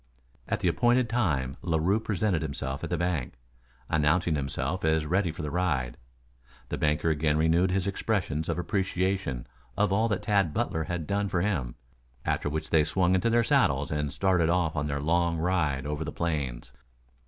At the appointed time Larue presented himself at the bank, announcing himself as ready for the ride. The banker again renewed his expressions of appreciation of all that Tad Butler had done for him, after which they swung into their saddles and started off on their long ride over the plains.